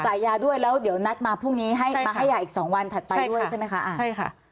จ่ายยาด้วยแล้วเดี๋ยวนัดมาพรุ่งนี้มาให้ยากอีก๒วันถัดไปด้วยใช่ไหมคะใช่ค่ะใช่ค่ะ